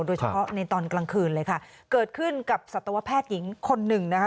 โดยเฉพาะในตอนกลางคืนเลยค่ะเกิดขึ้นกับสัตวแพทย์หญิงคนหนึ่งนะคะ